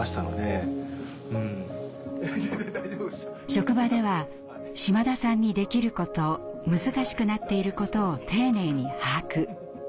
職場では島田さんにできること難しくなっていることを丁寧に把握。